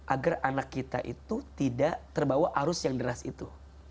agar anak kita itu tidak terbawa arus yang deras itu